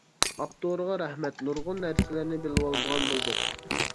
ئاپتورغا رەھمەت، نۇرغۇن نەرسىلەرنى بىلىۋالىدىغان بولدۇق.